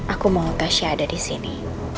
aku mau kasya ada di sini